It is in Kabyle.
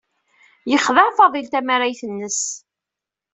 Yexdeɛ Faḍil tamarayt-nnes.